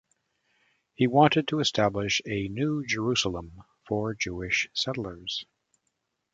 He wanted to establish a "New Jerusalem" for Jewish settlers.